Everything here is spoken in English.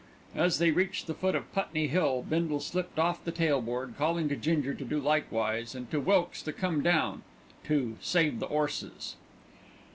As they reached the foot of Putney Hill, Bindle slipped off the tail board, calling to Ginger to do likewise and to Wilkes to come down, "to save the 'orses."